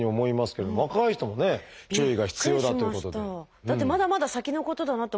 だってまだまだ先のことだなと思ってたんですけど